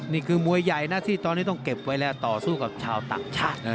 นี่คือมวยใหญ่นะที่ตอนนี้ต้องเก็บไว้แล้วต่อสู้กับชาวต่างชาติ